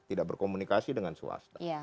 tidak berkomunikasi dengan swasta